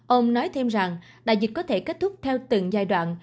ông nói thêm rằng đại dịch có thể kết thúc theo từng giai đoạn